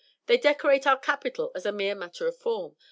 They decorate our Capitol as a mere matter of form.